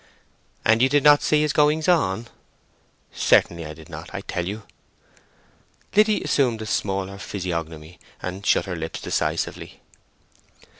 "And you did not see his goings on!" "Certainly I did not, I tell you." Liddy assumed a smaller physiognomy, and shut her lips decisively.